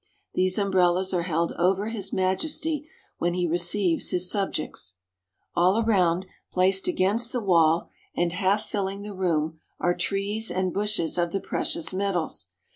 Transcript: These umbrellas are held over His Majesty when he receives his subjects. All around, placed against the wall and half filling the room, are trees and bushes of the precious metals.